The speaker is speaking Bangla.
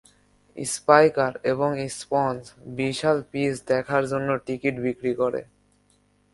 স্পাইকার এবং স্পঞ্জ বিশাল পীচ দেখার জন্য টিকিট বিক্রি করে।